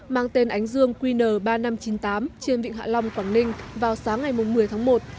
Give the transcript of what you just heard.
mang tên ánh dương qn ba nghìn năm trăm chín mươi tám trên vịnh hạ long quảng ninh vào sáng ngày một mươi tháng một